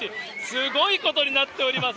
すごいことになっております。